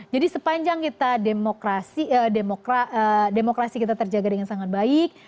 jadi sepanjang kita demokrasi demokrasi kita terjaga dengan sangat baik